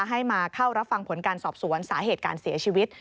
ให้มาเข้ารับฟังผลการสอบสวนสาเหตุการเสียชีวิต